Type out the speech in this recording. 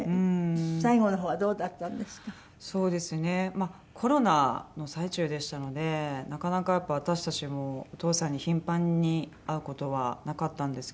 まあコロナの最中でしたのでなかなかやっぱ私たちもお義父さんに頻繁に会う事はなかったんですけども。